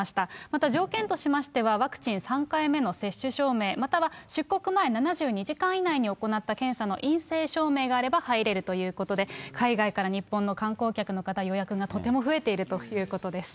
また条件としましては、ワクチン３回目の接種証明、または出国前７２時間以内に行った検査の陰性証明があれば入れるということで、海外から日本の観光客の方、予約がとても増えているということです。